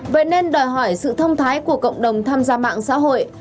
vậy nên đòi hỏi sự thông thái của cộng đồng tham gia mạng xã hội